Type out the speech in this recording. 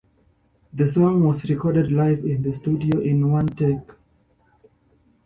The song was recorded live in the studio in one take.